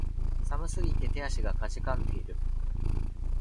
寒すぎて手足が悴んでいる